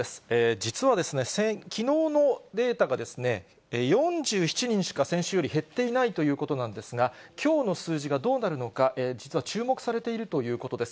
実はですね、きのうのデータが、４７人しか先週より減っていないということなんですが、きょうの数字がどうなるのか、実は注目されているということです。